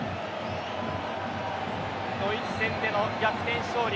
ドイツ戦での逆転勝利。